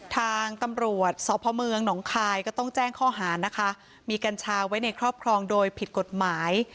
ทางตำรวจสพเมืองหนองคายก็ต้องแจ้งข้อหานะคะมีกัญชาไว้ในครอบครองโดยผิดกฎหมาย